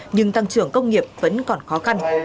nhưng tăng trưởng công nghiệp vẫn còn khó khăn